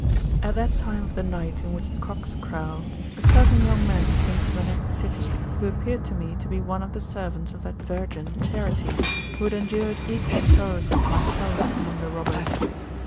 At that time of ttie night in which the cock8 crow, a certain young man came from the next city, who appeared to me to be one of the servants of that virgin Charite, who had ei\jiured equal sorrows with myself among the robbers.